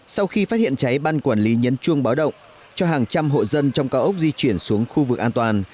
sau khi phát hiện cháy ban quản lý nhấn chuông báo động cho hàng trăm hộ dân trong cao ốc di chuyển xuống khu vực an toàn